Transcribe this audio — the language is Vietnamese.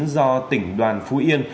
do tỉnh đoàn phú yên